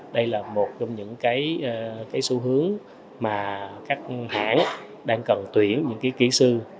đây là một trong những cái xu hướng mà các hãng đang cần tuyển những cái kỹ sư